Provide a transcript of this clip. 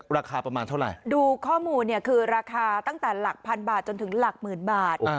ราคาประมาณเท่าไหร่ดูข้อมูลเนี่ยคือราคาตั้งแต่หลักพันบาทจนถึงหลักหมื่นบาท